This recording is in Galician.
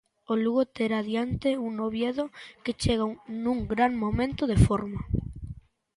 O Lugo terá diante un Oviedo que chega nun gran momento de forma.